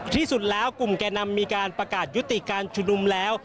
ที่สุดแล้วกลุ่มแก่นำมีการประกาศยุติการชุมนุมแล้ว